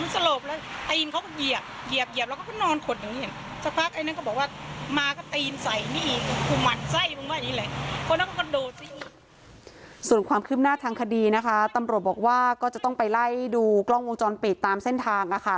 ส่วนความคืบหน้าทางคดีนะคะตำรวจบอกว่าก็จะต้องไปไล่ดูกล้องวงจรปิดตามเส้นทาง